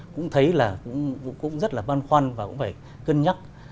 cũng thấy là cũng rất là băn khoăn và cũng phải cân nhắc